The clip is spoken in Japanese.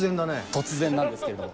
突然なんですけれども。